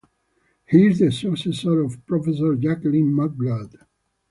He is the successor of Professor Jacqueline McGlade.